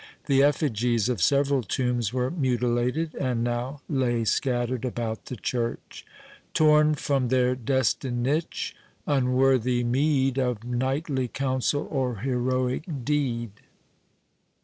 The effigies of several tombs were mutilated, and now lay scattered about the church, Torn from their destined niche—unworthy meed Of knightly counsel or heroic deed!